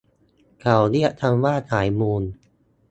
เขาเรียกกันว่าสายมู